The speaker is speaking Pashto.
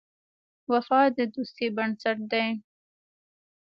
وفا د دوستۍ بنسټ دی.